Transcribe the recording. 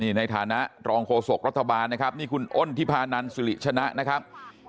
ในฐานะรองโฆษกรัฐบาลนะครับนี่คุณอ้นทิพานันสิริชนะนะครับ